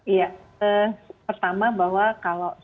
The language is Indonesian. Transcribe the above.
iya pertama bahwa kalau